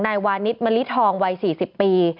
นายวานิสมะลิทองวัย๔๐ปี